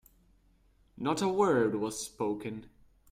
Not a word was spoken.